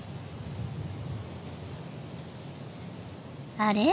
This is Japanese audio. あれ？